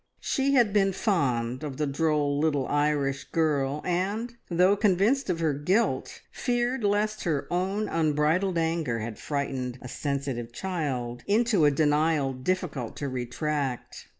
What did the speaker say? She had been fond of the droll little Irish girl, and, though convinced of her guilt, feared lest her own unbridled anger had frightened a sensitive child into a denial difficult to retract.